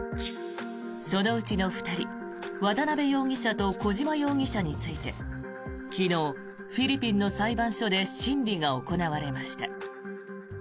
そのうちの２人渡邉容疑者と小島容疑者について昨日、フィリピンの裁判所で審理が行われました。